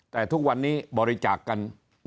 แต่ทุกวันนี้บริจาคกัน๑๕๐๐๑๗๐๐